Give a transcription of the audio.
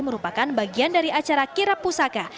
merupakan bagian dari acara kirap pusaka